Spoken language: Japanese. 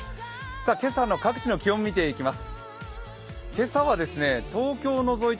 今朝の各地の気温を見ていきます。